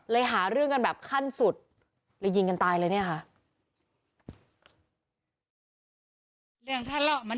หาเรื่องกันแบบขั้นสุดเลยยิงกันตายเลยเนี่ยค่ะ